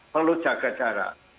perlu jaga jarak